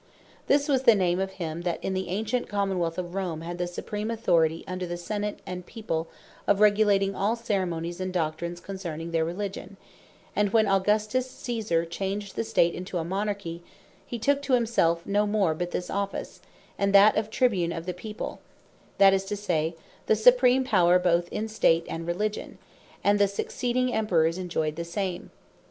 This was the name of him that in the ancient Common wealth of Rome, had the Supreme Authority under the Senate and People, of regulating all Ceremonies, and Doctrines concerning their Religion: And when Augustus Caesar changed the State into a Monarchy, he took to himselfe no more but this office, and that of Tribune of the People, (than is to say, the Supreme Power both in State, and Religion;) and the succeeding Emperors enjoyed the same.